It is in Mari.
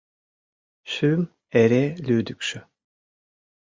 — Шӱм эре лӱдыкшӧ.